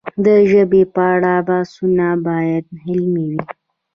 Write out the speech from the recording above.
د ژبې په اړه بحثونه باید علمي وي.